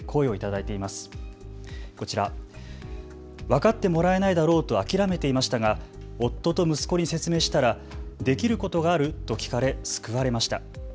分かってもらえないだろうと諦めていましたが夫と息子に説明したら、できることがある？と聞かれ、救われました。